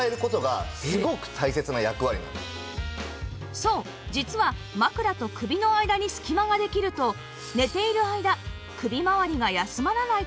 そう実は枕と首の間に隙間ができると寝ている間首まわりが休まらないとの事